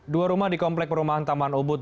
dua rumah di komplek perumahan taman ubud